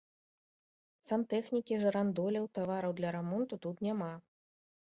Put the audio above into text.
Сантэхнікі, жырандоляў, тавараў для рамонту тут няма.